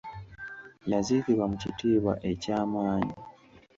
Yaziikibwa mu kitiibwa eky'amannyi.